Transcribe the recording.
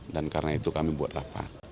dan karena itu kami buat rapat